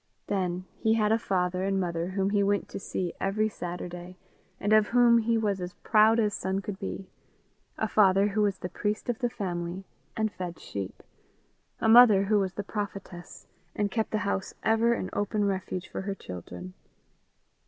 Then he had a father and mother whom he went to see every Saturday, and of whom he was as proud as son could be a father who was the priest of the family, and fed sheep; a mother who was the prophetess, and kept the house ever an open refuge for her children.